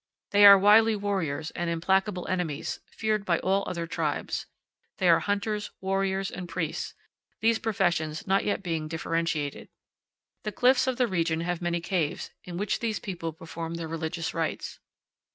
They are wily warriors and implacable enemies, feared by all other tribes. They are hunters, warriors, and priests, these professions not yet being differentiated. The cliffs of the region have many caves, in which these people perform their religious rites.